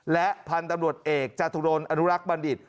และพันธุ์ตำรวจเอกจตุรนอนุรักษ์บัณฑิต